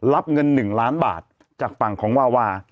รับเงิน๑ล้านบาทจากฝั่งของวาวา